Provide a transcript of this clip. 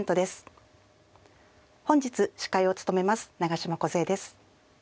本日司会を務めます長島梢恵です。